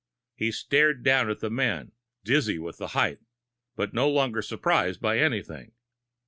He stared down at the men, dizzy with the height, but no longer surprised by anything.